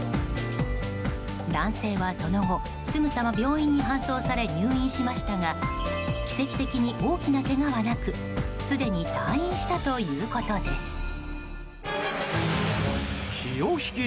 男性はその後、すぐさま病院に搬送され入院しましたが奇跡的に大きなけがはなくすでに退院したということです。